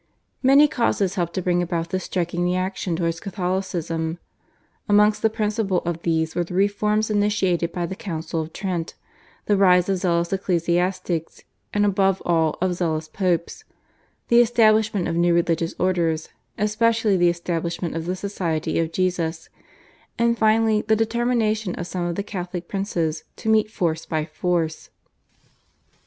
Many causes helped to bring about this striking reaction towards Catholicism. Amongst the principal of these were the reforms initiated by the Council of Trent, the rise of zealous ecclesiastics and above all of zealous popes, the establishment of new religious orders, especially the establishment of the Society of Jesus, and finally the determination of some of the Catholic princes to meet force by force.